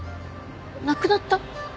亡くなった？